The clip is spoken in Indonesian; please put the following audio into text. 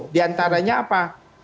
di antaranya apa